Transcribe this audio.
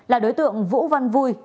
là đối tượng vũ văn vui